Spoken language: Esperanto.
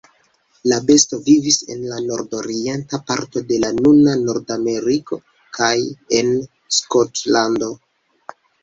La besto vivis en la nordorienta parto de la nuna Nord-Ameriko kaj en Skotlando.